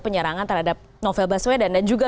penyerangan terhadap novel baswedan dan juga